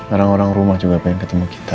orang orang rumah juga pengen ketemu kita